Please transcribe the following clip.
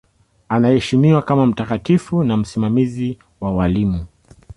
Anaheshimiwa kama mtakatifu na msimamizi wa walimu.